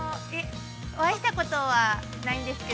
お会いしたことはないんですけど。